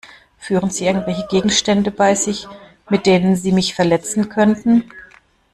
Führen Sie irgendwelche Gegenstände bei sich, mit denen Sie mich verletzen könnten?